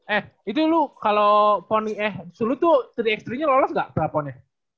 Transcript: eh itu lo kalau poni eh sulut tuh tiga x tiga nya lolos gak telaponnya